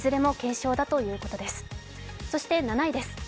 そして７位です。